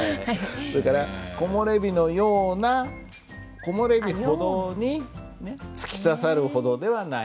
それから「木漏れ日のような」「木漏れ日ほどに突き刺さるほどではないけれども」。